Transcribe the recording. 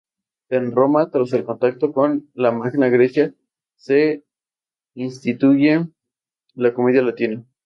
En Roma, tras el contacto con la Magna Grecia, se instituye la comedia latina.